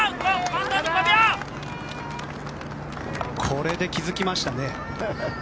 これで気付きましたね。